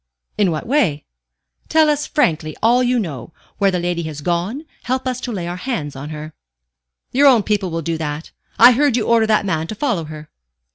"In what way?" "Tell us frankly all you know where that lady has gone, help us to lay our hands on her." "Your own people will do that. I heard you order that man to follow her."